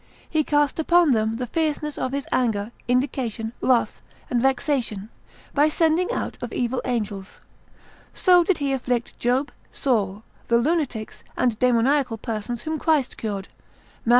He cast upon them the fierceness of his anger, indignation, wrath, and vexation, by sending out of evil angels: so did he afflict Job, Saul, the Lunatics and demoniacal persons whom Christ cured, Mat.